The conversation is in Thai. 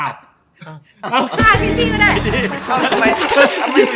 อ่าพิชชี่ก็ได้